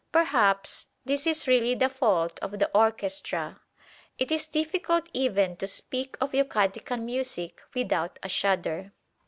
Perhaps this is really the fault of the orchestra. It is difficult even to speak of Yucatecan music without a shudder.